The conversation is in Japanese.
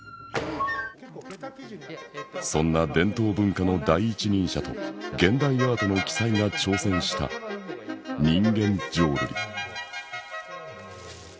そんな伝統文化の第一人者と現代アートの鬼才が挑戦した人間浄瑠璃。